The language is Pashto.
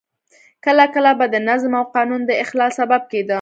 کله کله به د نظم او قانون د اخلال سبب کېده.